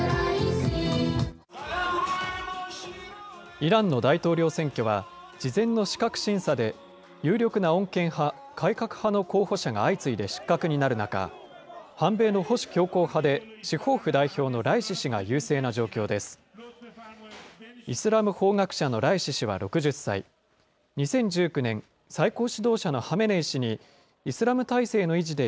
イランの大統領選挙は、事前の資格審査で、有力な穏健派、改革派の候補者が相次いで失格になる中、反米の保守強硬派で司法府代表のライシ師が優勢な状況です。